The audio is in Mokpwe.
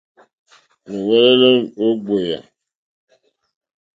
Nù wɛ́lɛ́lɛ́ ó ɡbèyà.